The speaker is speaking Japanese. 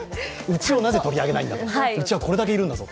うちをなぜ取り上げないんだと、うちはこれだけいるんだぞ。